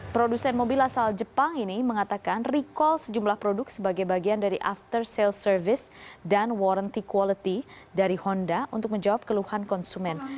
produsen mobil asal jepang ini mengatakan recall sejumlah produk sebagai bagian dari after sale service dan warranty quality dari honda untuk menjawab keluhan konsumen